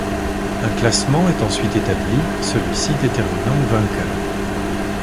Un classement est ensuite établi, celui-ci déterminant le vainqueur.